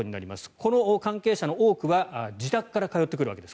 この関係者の多くは自宅から通ってくるわけです。